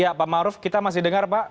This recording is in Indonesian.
ya pak maruf kita masih dengar pak